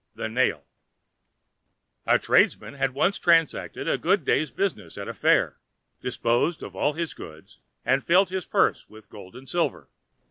The Nail A tradesman had once transacted a good day's business at a fair, disposed of all his goods, and filled his purse with gold and silver.